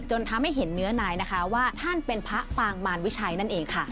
ทำให้เห็นเนื้อนายนะคะว่าท่านเป็นพระปางมารวิชัยนั่นเองค่ะ